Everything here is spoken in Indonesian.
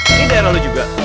ini daerah lu juga